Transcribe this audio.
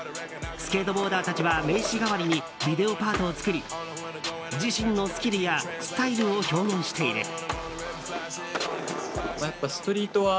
スケートボーダーたちは名刺代わりにビデオパートを作り自身のスキルやスタイルを表現している。